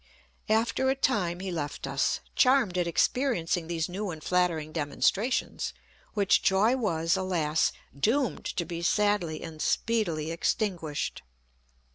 After a time he left us, charmed at experiencing these new and flattering demonstrations; which joy was, alas! doomed to be sadly and speedily extinguished.